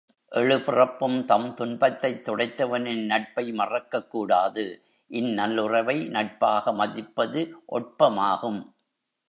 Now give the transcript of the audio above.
எழு பிறப்பும் தம் துன்பத்தைத் துடைத்தவனின் நட்பை மறக்கக் கூடாது இந் நல்லுறவை நட்பாக மதிப்பது ஒட்பமாகும்.